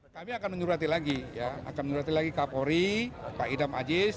kami akan menyuruh hati lagi ya akan menyuruh hati lagi kapolri pak idam aziz